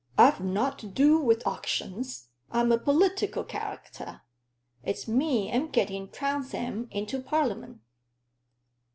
"I've nought to do wi' auctions; I'm a pol'tical charicter. It's me am getting Trounsem into Parl'ment."